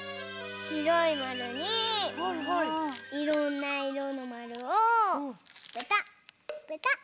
しろいまるにいろんないろのまるをペタッペタッ。